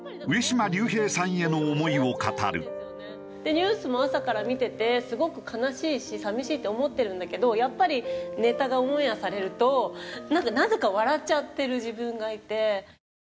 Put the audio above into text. ニュースも朝から見ててすごく悲しいし寂しいって思ってるんだけどやっぱりネタがオンエアされるとなんかなぜか笑っちゃってる自分がいて。